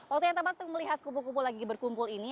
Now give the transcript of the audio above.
waktu yang tempat untuk melihat pupu pupu lagi berkumpul ini